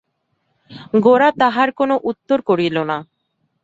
গোরা তাহার কোনো উত্তর করিল না।